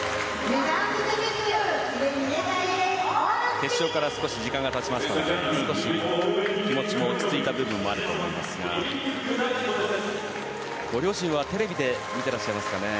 決勝から少し時間が経ちましたので少し気持ちも落ち着いた部分もあると思いますがご両親は、テレビで見てらっしゃいますかね。